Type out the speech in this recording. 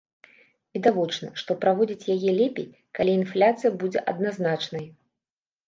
Відавочна, што праводзіць яе лепей, калі інфляцыя будзе адназначнай.